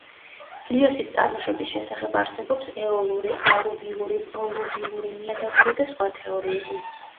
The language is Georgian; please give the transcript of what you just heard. ლიოსის წარმოშობის შესახებ არსებობს ეოლური, ალუვიური, პროლუვიური, ნიადაგური და სხვა თეორიები.